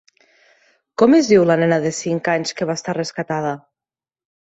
Com es diu la nena de cinc anys que va estar rescatada?